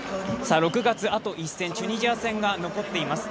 ６月、あと１戦、チュニジア戦が残っています。